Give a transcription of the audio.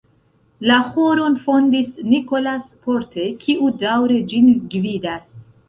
La ĥoron fondis "Nicolas Porte", kiu daŭre ĝin gvidas.